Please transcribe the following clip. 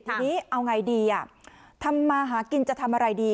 ทีนี้เอาไงดีทำมาหากินจะทำอะไรดี